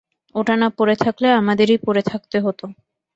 ওটা না পড়ে থাকলে আমাদেরই পড়ে থাকতে হত।